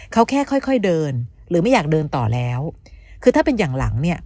เขาแค่ค่อยค่อยเดินหรือไม่อยากเดินต่อแล้วคือถ้าเป็นอย่างหลังเนี่ย